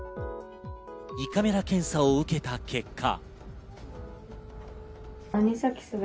胃カメラ検査を受けた結果。